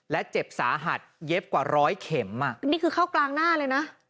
และเจ็บสาหัสเย็บกว่าร้อยเข็มอ่ะนี่คือเข้ากลางหน้าเลยนะ